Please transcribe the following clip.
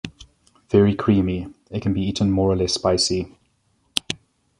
Very creamy, it can be eaten more or less spicy.